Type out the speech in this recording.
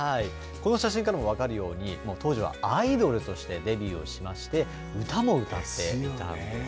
この写真からも分かるように、もう当時はアイドルとしてデビューをしまして、歌も歌っていたんです。